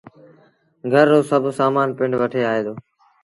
گھر رو سڀ سامآݩ پنڊ وٺي آئي دو